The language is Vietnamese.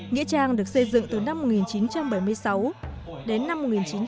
nghĩa trang được xây dựng từ năm một nghìn chín trăm bảy mươi sáu đến năm một nghìn chín trăm bảy mươi